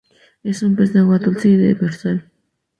Es un pez de Agua dulce, y demersal.